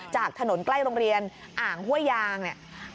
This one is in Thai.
จากถนนใกล้โรงเรียนอ่างห้วยยางเนี่ย